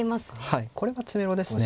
はいこれは詰めろですね。